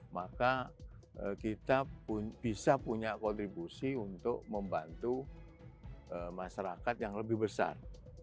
maka kita bisa punya kontribusi untuk membantu masyarakat yang lebih besar